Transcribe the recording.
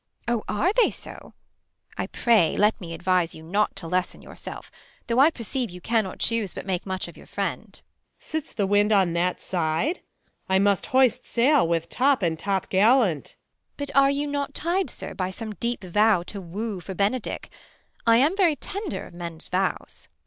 Beat. 0, are they so '? I pray let me advise you Not to lessen yourself; though I perceive You cannot chuse but make much of your friend. Luc. Sits the wind on that side 1 I must hoist sail, With top, and top gallant. Beat. But are you not tied, sir, by some deep vow To woo for Benedick 1 I am very tender Of men's vows.